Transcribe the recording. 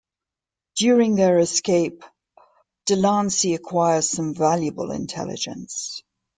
During their escape Delancey acquires some valuable intelligence.